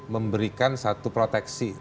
memberikan satu proteksi